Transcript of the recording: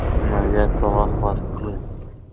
مالیات په وخت ورکړئ.